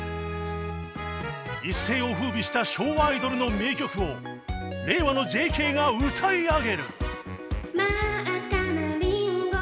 一世を風靡した昭和アイドルの名曲を令和の ＪＫ が歌い上げる